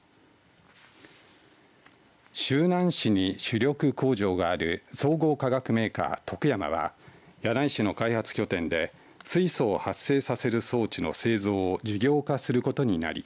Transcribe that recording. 周南市に主力工場がある総合化学メーカー、トクヤマは柳井市の開発拠点で水素を発生させる装置の製造を事業化することになり